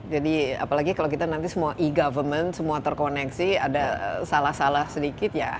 jadi apalagi kalau kita nanti semua e government semua terkoneksi ada salah salah sedikit ya